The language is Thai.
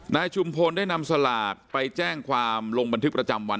ชุมพลได้นำสลากไปแจ้งความลงบันทึกประจำวัน